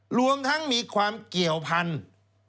รวมทั้งมีความเกี่ยวพันธุ์